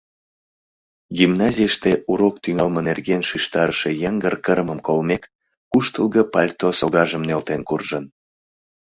Гимназийыште урок тӱҥалме нерген шижтарыше йыҥгыр кырымым колмек, куштылго пальто согажым нӧлтен куржын.